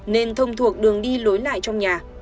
nên thông thuộc đường đi lối lại trong nhà